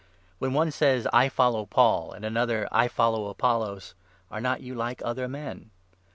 When one says 'I follow Paul,' and another 'I 4 follow Apollos,' are not you like other men